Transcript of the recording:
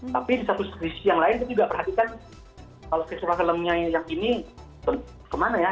tapi di satu sisi yang lain kita juga perhatikan kalau visual filmnya yang ini kemana ya